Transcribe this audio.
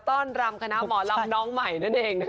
ต้อนรับคณะหมอล่ำน้องใหม่ด้วยเอง